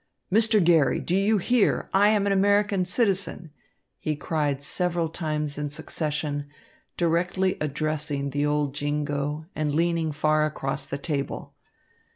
"Mr. Garry, do you hear I am an American citizen?" he cried several times in succession, directly addressing the old jingo and leaning far across the table.